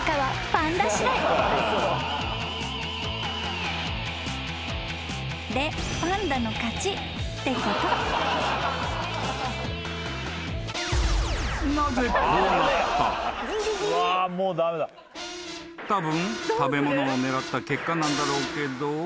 ［たぶん食べ物を狙った結果なんだろうけど］